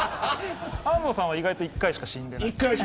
安藤さんは意外と１回しか死んでない。